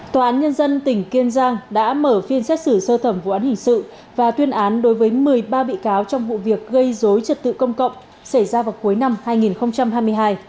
tòa án nhân dân tỉnh kiên giang đã mở phiên xét xử sơ thẩm vụ án hình sự và tuyên án đối với một mươi ba bị cáo trong vụ việc gây dối trật tự công cộng xảy ra vào cuối năm hai nghìn hai mươi hai